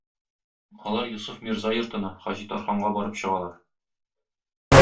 Алар Йосыф мирза йортына, Хаҗитарханга барып чыгалар.